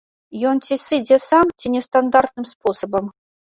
Ён ці сыдзе сам, ці нестандартным спосабам.